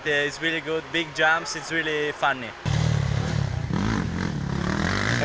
tapi sangat bagus jembatan besar sangat lucu